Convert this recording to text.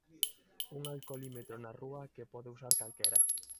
Un alcolímetro na rúa que pode usar calquera.